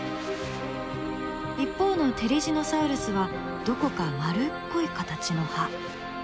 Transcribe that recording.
一方のテリジノサウルスはどこか丸っこい形の歯。